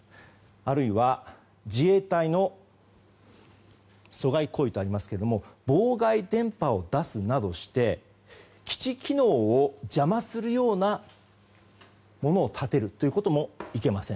あるいは自衛隊の阻害行為とありますが妨害電波を出すなどして基地機能を邪魔するようなものを立てるということもいけません。